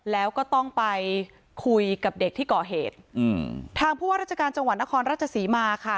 แล้วก็ต้องไปคุยกับเด็กที่ก่อเหตุอืมทางผู้ว่าราชการจังหวัดนครราชศรีมาค่ะ